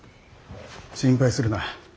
心配するな。